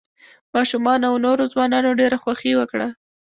ماشومانو او نوو ځوانانو ډېره خوښي وکړه.